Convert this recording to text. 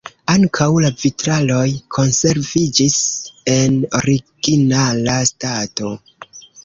Ankaŭ la vitraloj konserviĝis en originala stato.